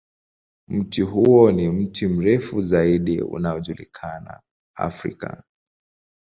Mti huo ni mti mrefu zaidi unaojulikana Afrika.